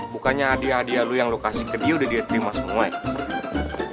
bukannya adik adik lo yang lo kasih ke dia udah diterima semua ya